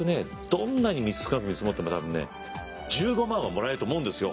どんなに少なく見積もっても多分ね１５万はもらえると思うんですよ。